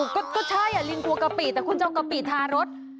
ก็ใช่ลิงกลัวกะปิแต่คุณจะเอากะปิทารส